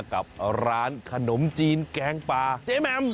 กับร้านขนมจีนแกงปลาเจ๊แมม